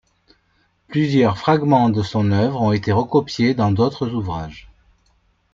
Plusieurs fragments de son œuvre ont été recopiés dans d'autres ouvrages.